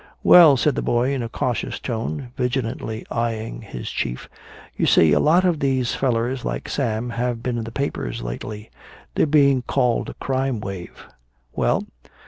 "Well," said the boy in a cautious tone, vigilantly eyeing his chief, "you see, a lot of these fellers like Sam have been in the papers lately. They're being called a crime wave." "Well?"